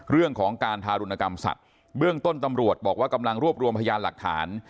เรื่องของการทารุณกรรมสัตว์เบื้องต้นตำรวจบอกว่ากำลังรวบรวมพยานหลักฐาน